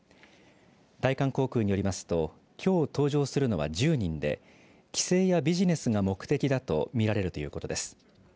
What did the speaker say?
大韓航空によりますときょう搭乗するのは１０人で帰省やビジネスが目的だとみられるということです。